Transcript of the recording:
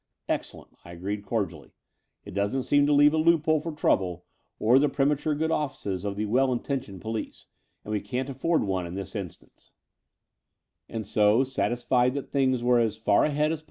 "Excellent," I agreed cordially. "It doesn't seem to leave a loophole for trouble or the pre mature good offices of the well intentioned police; and we can't afford one in this instance. The Dower House 273. And so, satisfied that things were as far ahead as.